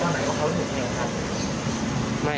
น่าจะ